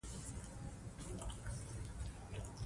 د ریګ دښتې د افغانستان د طبیعت برخه ده.